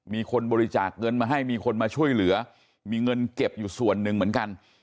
มีคนบริจาคเงินมาให้มีคนมาช่วยเหลือมีเงินเก็บอยู่ส่วนหนึ่งเหมือนกัน